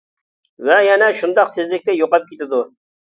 ۋە يەنە شۇنداق تېزلىكتە يوقاپ كېتىدۇ.